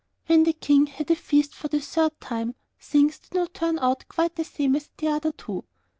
When the King had a feast for the third time, things did not turn out quite the same as at the other two.